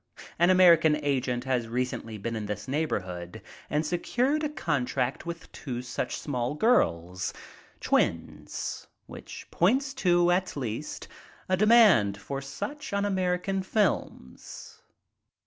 An American agent has recently been in this I MEET THE IMMORTALS 8i neighborhood and secured a contract with two such small girls (twins), which points to at least a demand for such on American films."